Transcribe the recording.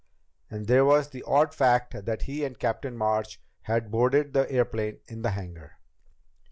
And there was the odd fact that he and Captain March had boarded the airplane in the hangar.